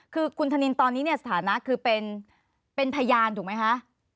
คือคุณธนินตอนนี้เนี่ยสถานะคือเป็นพยานถูกไหมคะ